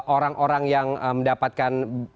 orang orang yang mendapatkan